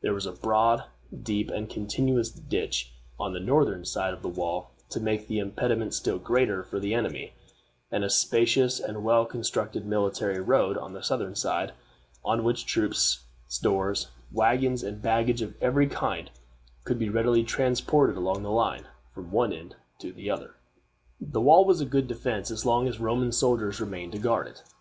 There was a broad, deep, and continuous ditch on the northern side of the wall, to make the impediment still greater for the enemy, and a spacious and well constructed military road on the southern side, on which troops, stores, wagons, and baggage of every kind could be readily transported along the line, from one end to the other. [Illustration: WALL OF SEVERUS] The wall was a good defense as long as Roman soldiers remained to guard it.